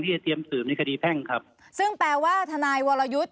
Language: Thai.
ที่จะเตรียมสืบในคดีแพ้งครับซึ่งแปลว่าธนาย